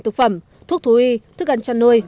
thực phẩm thuốc thú y thức ăn chăn nuôi